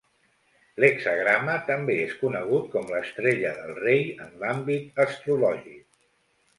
L'hexagrama també és conegut com l'"estrella del rei" en l'àmbit astrològic.